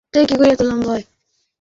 উনি আসলে ঠিকই বলেছেন।